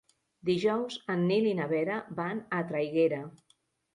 Dijous en Nil i na Vera van a Traiguera.